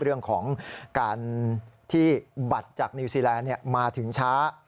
เรื่องของการที่บัตรจากนิวซีแลนด์มาถึงช้า